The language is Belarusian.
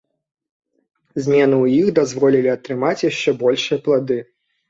Змены ў іх дазволілі атрымаць яшчэ большыя плады.